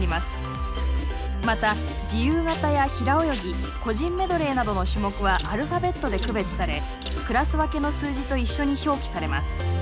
また自由形や平泳ぎ個人メドレーなどの種目はアルファベットで区別されクラス分けの数字と一緒に表記されます。